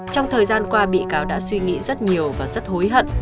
trong thời gian qua bị cáo đã suy nghĩ rất nhiều và rất hối hận